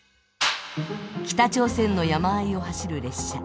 北朝鮮の山あいを走る列車。